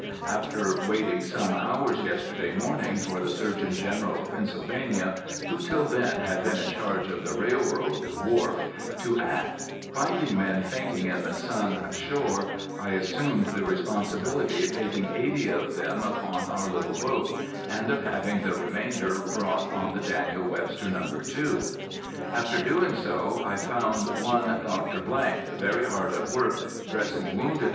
After waiting some hours yesterday morning for the Surgeon General of Pennsylvania (who till then had been in charge of the railroad wharf) to act, finding men fainting in the sun ashore, I assumed the responsibility of taking eighty of them upon our little boat, and of having the remainder brought on the Daniel Webster No. 2. After doing so, I found one Dr. ——, very hard at work dressing wounded, &c.